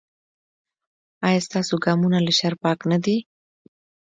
ایا ستاسو ګامونه له شر پاک نه دي؟